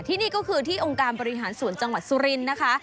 ที่นี่ก็คือที่องค์การบริหารส่วนจังหวัดสุรินทร์นะคะ